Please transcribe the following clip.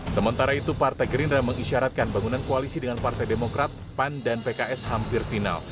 sementara itu partai gerindra mengisyaratkan bangunan koalisi dengan partai demokrat pan dan pks hampir final